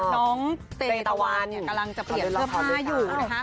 น้องเตตะวันกำลังจะเปลี่ยนเสื้อผ้าอยู่นะคะ